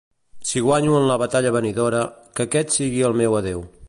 Si guanyo en la batalla venidora, que aquest sigui el meu adeu.